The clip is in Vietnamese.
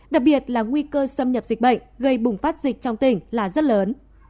đặc biệt là nguy cơ xâm nhập dịch bệnh gây bùng phát dịch trong tỉnh là rất lớn